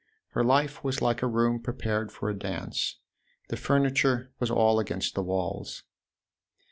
Her life was like a room prepared for a dance : the furniture was all against the walls.